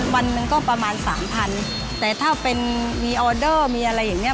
วันหนึ่งก็ประมาณสามพันแต่ถ้าเป็นมีออเดอร์มีอะไรอย่างเงี้